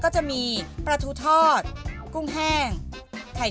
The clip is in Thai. ใส่พริกก่อนเนาะ